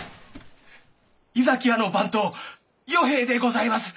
井崎屋の番頭与平でございます！